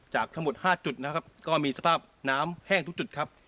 จากทั้งหมด๕จุดนะครับก็มีสภาพน้ำแห้งทุกจุดครับ